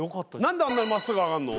何であんなにまっすぐ上がるの？